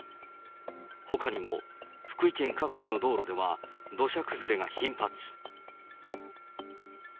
ほかにも福井県各地の道路では土砂崩れが頻発。